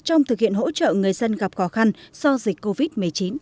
trong thực hiện hỗ trợ người dân gặp khó khăn do dịch covid một mươi chín